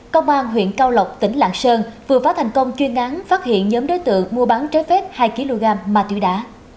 công an huyện cao lộc tỉnh lạng sơn vừa phá thành công chuyên án phát hiện nhóm đối tượng mua bán trái phép hai kg ma túy đá